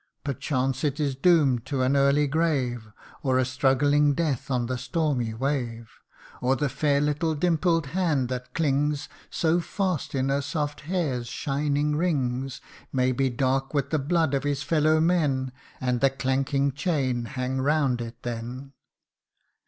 Perchance it is doom'd to an early grave, Or a struggling death on the stormy wave ; Or the fair little dimpled hand that clings So fast in her soft hair's shining rings, May be dark with the blood of his fellow men, And the clanking chain hang round it then.